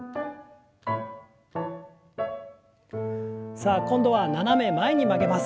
さあ今度は斜め前に曲げます。